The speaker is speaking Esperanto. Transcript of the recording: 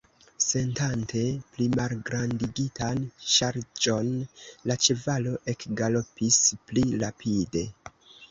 Sentante plimalgrandigitan ŝarĝon, la ĉevalo ekgalopis pli rapide.